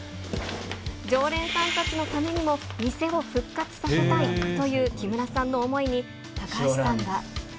常連さんたちのためにも店を復活させたいという木村さんの想いに、高橋さんは。